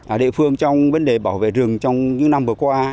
ở địa phương trong vấn đề bảo vệ rừng trong những năm vừa qua